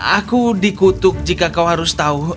aku dikutuk jika kau harus tahu